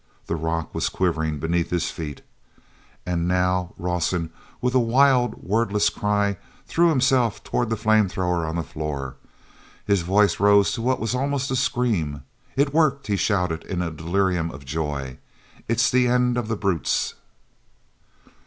The rock was quivering beneath his feet. And now Rawson, with a wild wordless cry, threw himself toward the flame thrower on the floor. His voice rose to what was almost a scream. "It's worked!" he shouted in a delirium of joy. "It's the end of the brutes!"